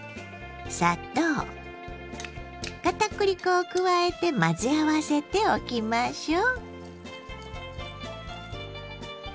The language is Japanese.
を加えて混ぜ合わせておきましょう。